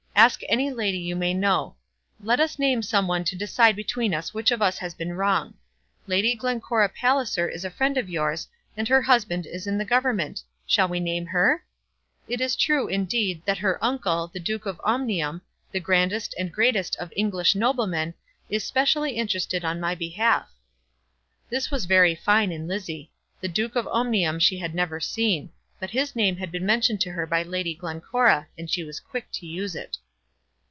Ask any lady you may know. Let us name some one to decide between us which of us has been wrong. Lady Glencora Palliser is a friend of yours, and her husband is in the Government. Shall we name her? It is true, indeed, that her uncle, the Duke of Omnium, the grandest and greatest of English noblemen, is specially interested on my behalf." This was very fine in Lizzie. The Duke of Omnium she had never seen; but his name had been mentioned to her by Lady Glencora, and she was quick to use it.